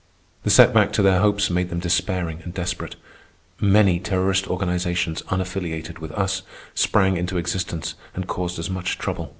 The set back to their hopes made them despairing and desperate. Many terrorist organizations unaffiliated with us sprang into existence and caused us much trouble.